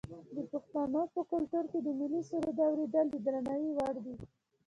د پښتنو په کلتور کې د ملي سرود اوریدل د درناوي وړ دي.